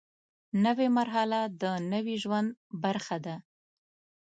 نوې مرحله د نوي ژوند برخه ده